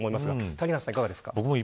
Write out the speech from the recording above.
谷原さんはいかがですか。